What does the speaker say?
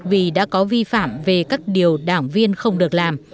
vì đã có vi phạm về các điều đảng viên không được làm